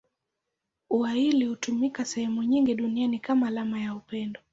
Ua hili hutumika sehemu nyingi duniani kama alama ya upendo.